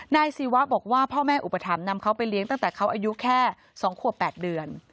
ศิวะบอกว่าพ่อแม่อุปถัมภนำเขาไปเลี้ยงตั้งแต่เขาอายุแค่๒ขวบ๘เดือน